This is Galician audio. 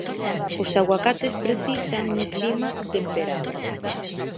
Os aguacates precisan un clima temperado.